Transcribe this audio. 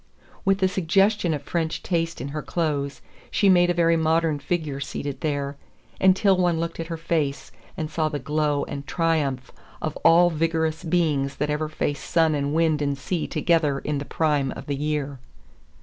With the suggestion of French taste in her clothes, she made a very modern figure seated there, until one looked at her face and saw the glow and triumph of all vigorous beings that ever faced sun and wind and sea together in the prime of the year.